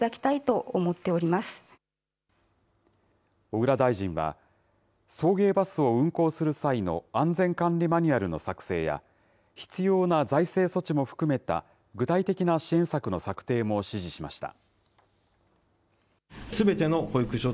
小倉大臣は、送迎バスを運行する際の安全管理マニュアルの作成や、必要な財政措置も含めた具体的な支援策の策定も指示しました。